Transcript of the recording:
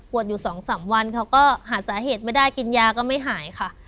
อยู่๒๓วันเขาก็หาสาเหตุไม่ได้กินยาก็ไม่หายค่ะ